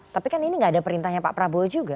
tapi kan ini nggak ada perintahnya pak prabowo juga